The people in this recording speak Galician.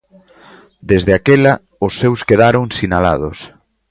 Desde aquela, os seus quedaron sinalados.